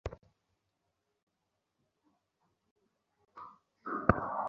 কিন্তু পূর্বোক্ত বর্ণনা বিশুদ্ধতর।